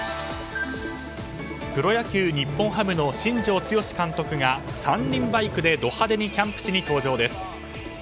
プロ野球日本ハムの新庄剛志監督が３輪バイクでド派手にキャンプ地に到着です。